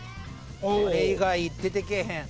あれ以外出てけえへん。